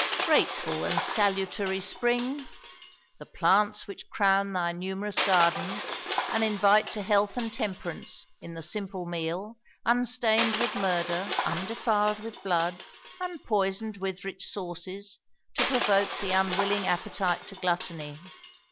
Grateful and salutary Spring! the plants Which crown thy numerous gardens, and invite To health and temperance, in the simple meal, Unstain'd with murder, undefil'd with blood, Unpoison'd with rich sauces, to provoke The unwilling appetite to gluttony.